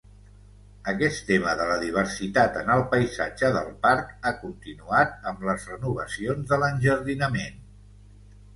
Aquest tema de la diversitat en el paisatge del parc ha continuat amb les renovacions de l'enjardinament.